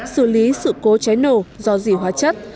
xử lý sự cố cháy nổ do dỉ hóa chất